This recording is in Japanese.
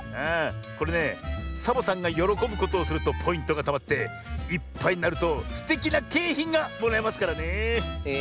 これねサボさんがよろこぶことをするとポイントがたまっていっぱいになるとすてきなけいひんがもらえますからねえ。